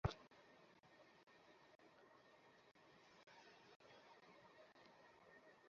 নিশ্চয় জানিবেন, লোককে অতিষ্ঠ করা আমার স্বভাব নয়।